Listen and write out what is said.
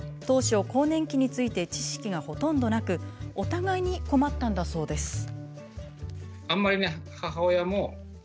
当初、更年期について知識がほとんどなくお互いに困ったんだそうです。